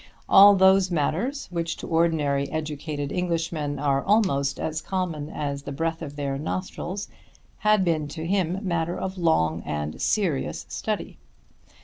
All those matters which to ordinary educated Englishmen are almost as common as the breath of their nostrils, had been to him matter of long and serious study.